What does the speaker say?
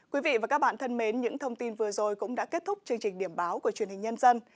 quý vị và các bạn thân mến những thông tin vừa rồi cũng đã kết thúc chương trình điểm báo của truyền hình nhân dân